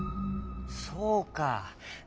そうか。